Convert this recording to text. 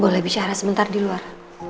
boleh bicara sebentar di luar